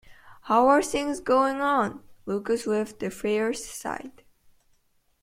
“How are things going on?” Lucas waved affairs aside.